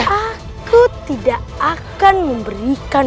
aku tidak akan memberikan